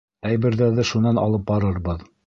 Әйберҙәрҙе шунан алып барырбыҙ.